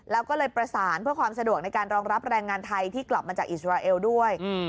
แล้วก็เลยประสานเพื่อความสะดวกในการรองรับแรงงานไทยที่กลับมาจากอิสราเอลด้วย